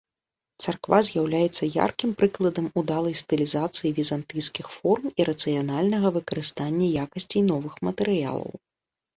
Царква з'яўляецца яркім прыкладам удалай стылізацыі візантыйскіх форм і рацыянальнага выкарыстання якасцей новых матэрыялаў.